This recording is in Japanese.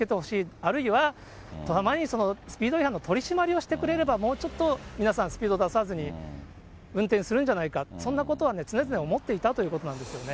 あるいは、たまにスピード違反の取締りをしてくれればもうちょっと皆さんスピード出さずに運転するんじゃないか、そんなことは常々思っていたということなんですよね。